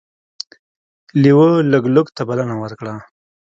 لیوه لګلګ ته بلنه ورکړه.